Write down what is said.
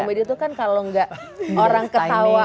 komedi tuh kan kalau nggak orang ketawa